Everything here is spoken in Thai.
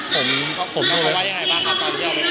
คุณครับผมจะทรมานเบอร์นี้เค้าเข้าใจมาก